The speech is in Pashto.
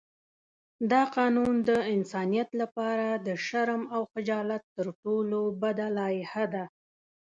دا قانون د انسانیت لپاره د شرم او خجالت تر ټولو بده لایحه ده.